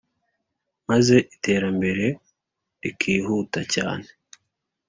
maze iterambere rikihuta cyane